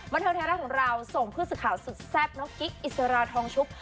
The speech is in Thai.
เทิงไทยรัฐของเราส่งผู้สื่อข่าวสุดแซ่บน้องกิ๊กอิสราทองชุบ